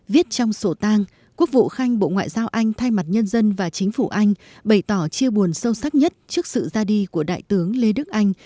viết trong sổ tang quốc vụ khanh bộ ngoại giao anh thay mặt nhân dân và chính phủ anh bày tỏ chia buồn sâu sắc nhất trước sự ra đi của đại tướng lê đức anh